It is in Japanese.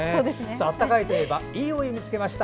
温かいといえば「＃いいお湯見つけました」。